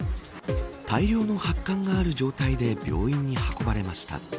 大量の発汗がある状態で病院に運ばれました。